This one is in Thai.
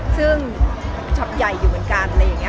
ซึ่งชอปใหญ่อยู่เหมือนกันเลย